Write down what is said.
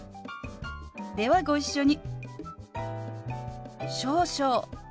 ではご一緒に。